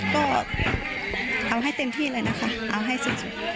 ก็เอาให้เต็มที่เลยนะคะเอาให้สิทธิ์